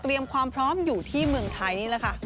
ความพร้อมอยู่ที่เมืองไทยนี่แหละค่ะ